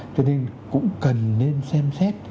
cũng cần nên xem xét